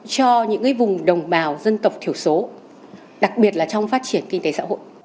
cho những vùng đồng bào dân tộc thiểu số đặc biệt là trong phát triển kinh tế xã hội